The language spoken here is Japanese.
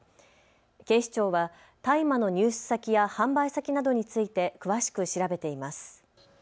警視庁は大麻の入手先や販売先などについて詳しく調べています。